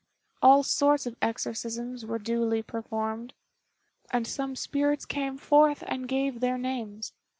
All sorts of exorcisms were duly performed, and some spirits came forth and gave their names.